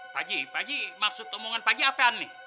pak ji pak ji maksud omongan pak ji apaan nih